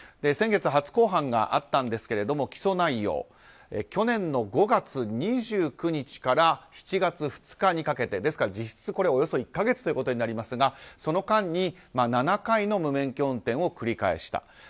先月、初公判があったんですが起訴内容は、去年５月２９日から７月２日にかけてですから実質およそ１か月ということになりますがその間に７回の無免許運転を繰り返した。